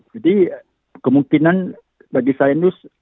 jadi kemungkinan bagi saya